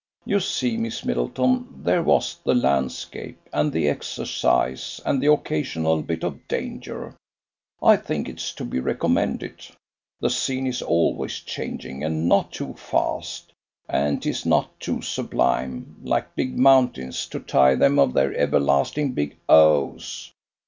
You see, Miss Middleton, there was the landscape, and the exercise, and the occasional bit of danger. I think it's to be recommended. The scene is always changing, and not too fast; and 'tis not too sublime, like big mountains, to tire them of their everlasting big Ohs.